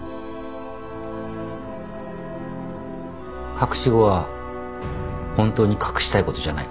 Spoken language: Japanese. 隠し子は本当に隠したいことじゃない。